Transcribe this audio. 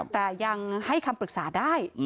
แต่ยังให้คำปรึกษาได้